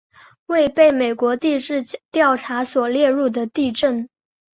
未被美国地质调查所列入的地震